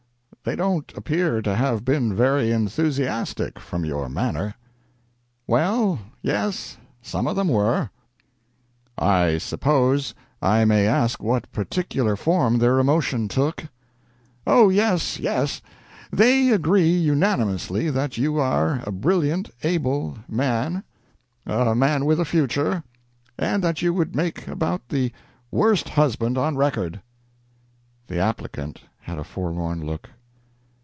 "They don't appear to have been very enthusiastic, from your manner." "Well, yes, some of them were." "I suppose I may ask what particular form their emotion took." "Oh, yes, yes; they agree unanimously that you are a brilliant, able man a man with a future, and that you would make about the worst husband on record." The applicant had a forlorn look.